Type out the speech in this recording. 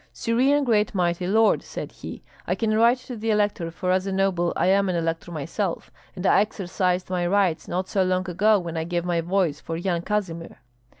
"Serene great mighty lord," said he, "I can write to the elector, for as a noble I am an elector myself, and I exercised my rights not so long ago when I gave my voice for Yan Kazimir."